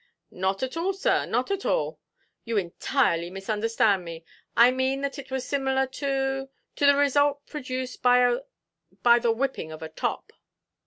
"Not at all, sir, not at all; you entirely misunderstand me. I mean that it was similar to—to the result produced by the whipping of a top."